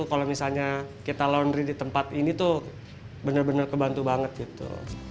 kalau misalnya kita laundry di tempat ini tuh bener bener kebantu banget gitu